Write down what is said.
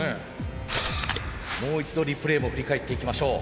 もう一度リプレーも振り返っていきましょう。